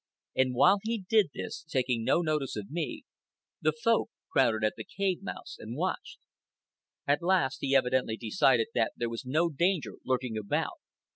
And while he did this, taking no notice of me, the Folk crowded at the cave mouths and watched. At last he evidently decided that there was no danger lurking about.